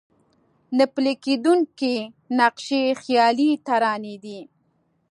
نه پلي کېدونکي نقشې خيالي ترانې دي.